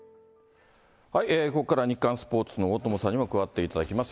ここからは日刊スポーツの大友さんにも加わっていただきます。